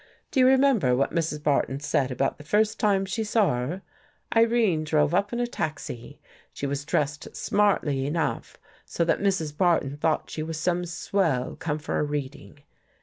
Do you remember what Mrs. Barton said about the first time she saw her? Irene drove up in a taxi; she was dressed smartly enough so that Mrs. Barton thought she was some swell come for a reading.